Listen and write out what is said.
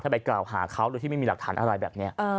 ไปกล่าวหาเขาโดยที่ไม่มีหลักฐานอะไรแบบนี้